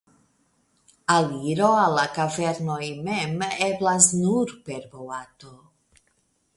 Aliro al la kavernoj mem eblas nur per boato.